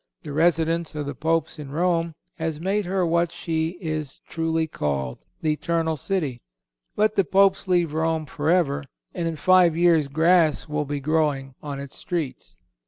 The residence of the Popes in Rome has made her what she is truly called, "The Eternal City." Let the Popes leave Rome forever, and in five years grass will be growing on its streets.